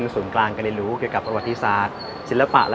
บ๊วยกับคุณโค้กนะครับ